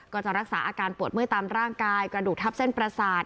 ก็จะรักษาอาการปวดเมื่อยตามร่างกายกระดูกทับเส้นประสาท